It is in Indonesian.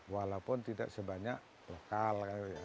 walaupun tidak sebanyak lokal